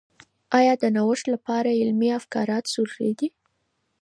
آیا د نوښت لپاره علمي ابتکارات ضروري دي؟